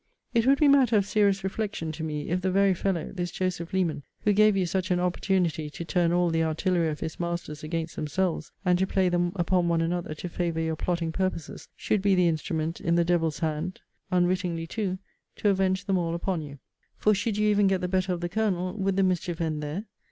It would be matter of serious reflection to me, if the very fellow, this Joseph Leman, who gave you such an opportunity to turn all the artillery of his masters against themselves, and to play them upon one another to favour your plotting purposes, should be the instrument, in the devil's hand, (unwittingly too,) to avenge them all upon you; for should you even get the better of the Colonel, would the mischief end there?